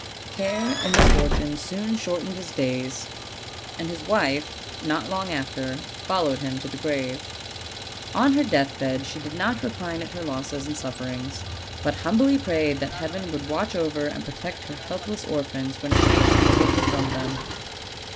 Care and mis fortune soon shortened his days; and his wife, not long after, followed him to the grave. On her deathbed she did not repine at her losses and sufferings, but humbly prayed that Heaven would watch over and protect her helpless orphans when she should be taken from them.